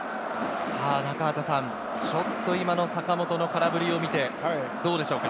中畑さん、ちょっと今の坂本の空振りを見て、どうでしょうか？